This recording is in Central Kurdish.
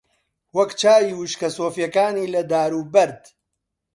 وەک چاوی وشکە سۆفییەکانی لە دار و بەرد